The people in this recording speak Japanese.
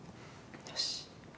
よし。